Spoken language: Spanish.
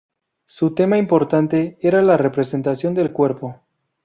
Su tema importante era la representación del cuerpo.